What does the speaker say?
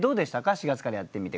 ４月からやってみて。